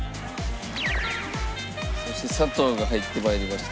そして砂糖が入って参りました。